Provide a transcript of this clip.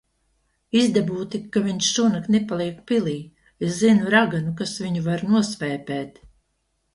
Izdabū tik, ka viņš šonakt nepaliek pilī. Es zinu raganu, kas viņu var nosvēpēt.